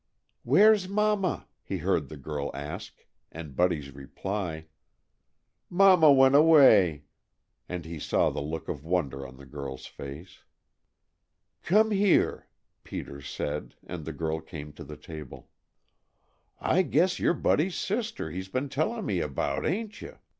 "Where's Mama?" he heard the girl ask, and Buddy's reply: "Mama went away," and he saw the look of wonder on the girl's face. "Come here," Peter said, and the girl came to the table. "I guess you 're Buddy's sister he's been tellin' me about, ain't you?"